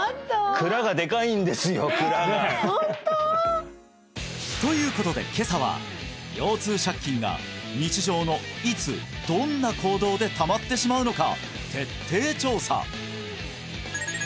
蔵がホント？ということで今朝は腰痛借金が日常のいつどんな行動でたまってしまうのか徹底調査